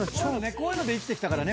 こういうので生きてきたからね。